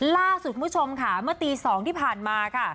ล่าสุดคุณผู้ชมค่ะเมื่อตี๒ที่ผ่านมาค่ะ